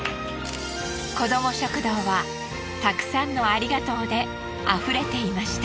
子ども食堂はたくさんのありがとうで溢れていました。